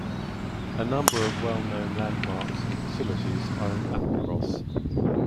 A number of well known landmarks and facilities are in Applecross.